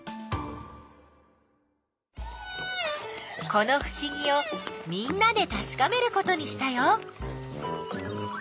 このふしぎをみんなでたしかめることにしたよ。